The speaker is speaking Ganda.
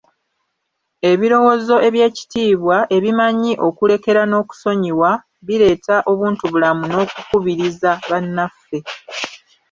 Ebirowoozo eby'ekitiibwa, ebimanyi okulekera n'okusonyiwa, bireeta obuntubulamu n'okukubiriza bannaffe.